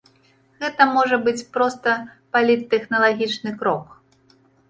Гэта можа быць проста паліттэхналагічны крок.